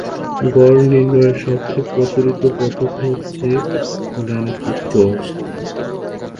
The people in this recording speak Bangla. গড় নির্ণয়ের সবচেয়ে প্রচলিত পদ্ধতি হচ্ছে গাণিতিক গড়।